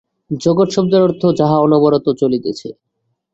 জগৎ শব্দের অর্থ যাহা অনবরত চলিতেছে।